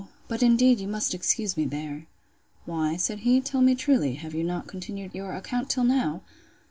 —But indeed you must excuse me there. Why, said he, tell me truly, have you not continued your account till now?